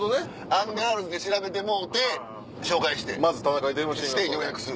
アンガールズで調べてもろうて紹介して予約する。